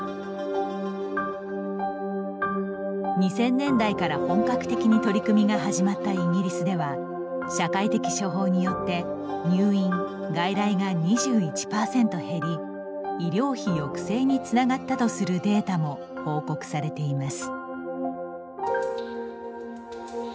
２０００年代から本格的に取り組みが始まったイギリスでは社会的処方によって入院・外来が２１％減り医療費抑制につながったとするデータも報告されています。